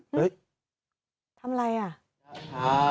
เฮ้ยทำไรอ่ะ